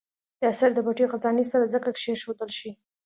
دا اثر د پټې خزانې سره ځکه کېښودل شي.